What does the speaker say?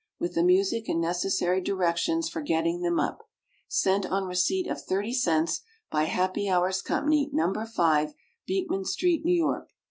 With the Music and necessary directions for getting them up. Sent on receipt of 30 cents, by HAPPY HOURS COMPANY, No. 5 Beekman Street, New York.